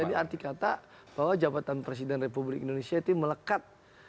jadi arti kata bahwa jabatan presiden republik indonesia itu melekat